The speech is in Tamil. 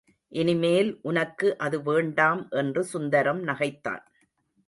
இனிமேல் உனக்கு அது வேண்டாம் என்று சுந்தரம் நகைத்தான்.